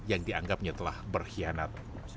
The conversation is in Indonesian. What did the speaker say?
yang dianggapnya telah berkhianat